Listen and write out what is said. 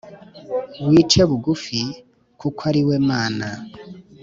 wice bugufi - kukw’ari we Mana.